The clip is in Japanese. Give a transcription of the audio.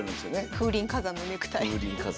風林火山のネクタイ。